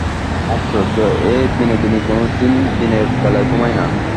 আশ্চর্য এই, বিনোদিনী কোনোদিন দিনের বেলায় ঘুমায় না।